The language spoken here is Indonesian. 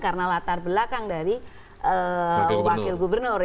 karena latar belakang dari wakil gubernur